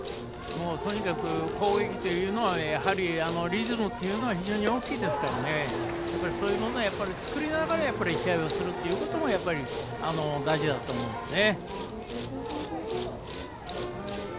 とにかく攻撃というのはやはり、リズムというのが非常に大きいですからそういうものを作りながら試合をするということも大事だと思うんですね。